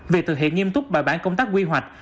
việc thực hiện nghiêm túc bài bản công tác quy hoạch